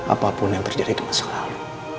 apapun yang terjadi itu masa lalu